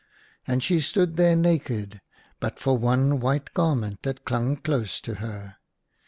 And she stood there naked, but for one white garment that clung close to her.